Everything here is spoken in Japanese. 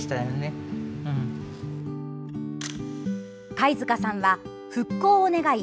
貝塚さんは、復興を願い